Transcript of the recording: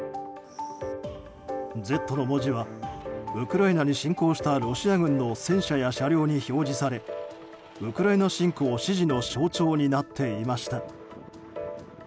「Ｚ」の文字はウクライナに侵攻したロシア軍の戦車や車両に表示されウクライナ侵攻支持の象徴になっていました。